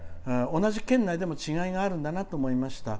「同じ県内でも違いがあるんだなと思います。